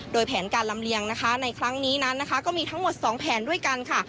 โดยแผนการลำเลียงนะคะในครั้งนี้นั้นนะคะก็มีทั้งหมด๒แผนด้วยกันค่ะ